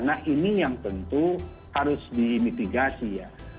nah ini yang tentu harus dimitigasi ya